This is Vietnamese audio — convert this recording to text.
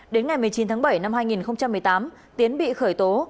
đến ngày một mươi chín tháng bảy năm hai nghìn một mươi tám tiến bị khởi tố